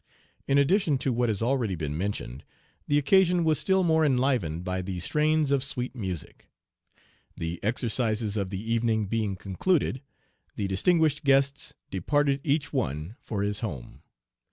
In addition to what has already been mentioned the occasion was still more enlivened by the strains of sweet music. The exercises of the evening being concluded, the distinguished guests departed each one for his home.